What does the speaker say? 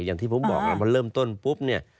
อย่างที่ผมบอกมันเริ่มต้นปุ๊บเนี่ย